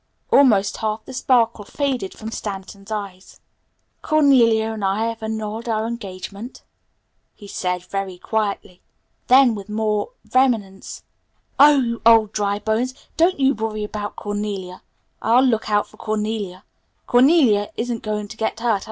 Almost half the sparkle faded from Stanton's eyes. "Cornelia and I have annulled our engagement," he said very quietly. Then with more vehemence, "Oh, you old dry bones, don't you worry about Cornelia! I'll look out for Cornelia. Cornelia isn't going to get hurt.